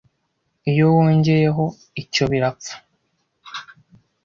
iyo wongeyeho icyo birapfa